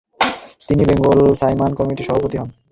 তিনি Bengal Simon কমিটির সভাপতি হন।